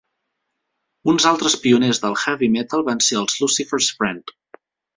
Uns altres pioners del heavy metal van ser els Lucifer's Friend.